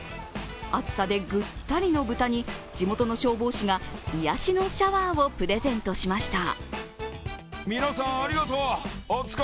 暑さでぐったりの豚に地元の消防士が癒しのシャワーをプレゼントしました。